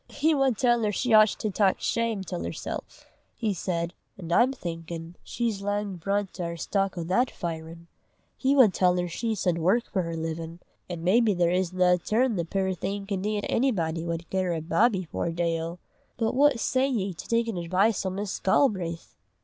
"He wad tell her she oucht to tak shame till hersel'," he said, "an' I'm thinkin' she's lang brunt a' her stock o' that firin'. He wud tell her she sud work for her livin', an' maybe there isna ae turn the puir thing can dee 'at onybody wad gie her a bawbee for a day o'! But what say ye to takin' advice o' Miss Galbraith?"